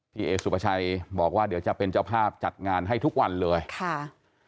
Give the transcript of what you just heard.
เอสุภาชัยบอกว่าเดี๋ยวจะเป็นเจ้าภาพจัดงานให้ทุกวันเลยค่ะ